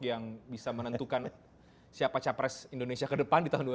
yang bisa menentukan siapa capres indonesia ke depan di tahun dua ribu dua puluh